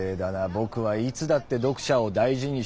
僕はいつだって読者を大事にしているよ。